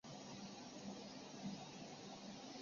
五官中郎将曹丕和王忠跟随曹操外出。